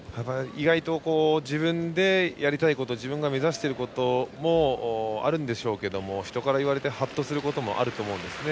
意外と自分でやりたいこと自分が目指していることもあるんでしょうけど人から言われてはっとすることもあると思うんですね。